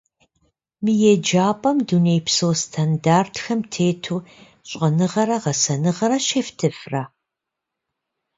Мы еджапӏэм дунейпсо стандартхэм тету щӏэныгъэрэ гъэсэныгъэ щефтыфрэ?